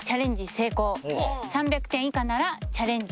成功３００点以下ならチャレンジ